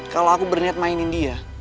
kalau aku berniat mainin dia